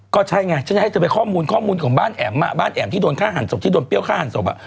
ก็ใช่ไงฉันไม่ให้เจอไปข้อมูลของบ้านแอมที่โดนฮารสบที่โดนเปรี้ยวฮารศพ